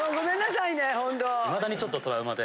いまだにちょっとトラウマで。